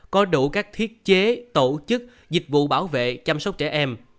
có đủ các thiết chế tổ chức dịch vụ bảo vệ chăm sóc trẻ em